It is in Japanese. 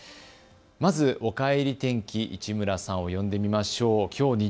まずおかえり天気、市村さんを呼んでみましょう。